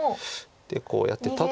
でこうやってただ。